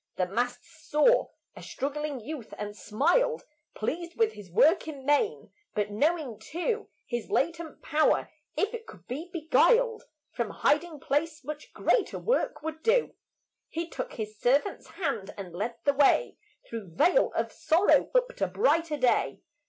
The Master saw a struggling youth, and smiled, Pleased with his work in main; but, knowing too His latent power, if it could be beguiled From hiding place, much greater work would do, He took His servant's hand and led the way Through vale of sorrow up to brighter day.